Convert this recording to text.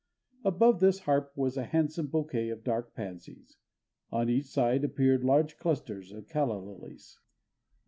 Above this harp was a handsome bouquet of dark pansies. On each side appeared large clusters of calla lilies.